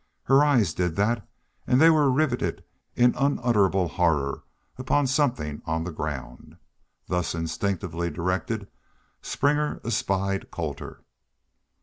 Her eyes did that and they were riveted in unutterable horror upon something on the ground. Thus instinctively directed, Springer espied Colter.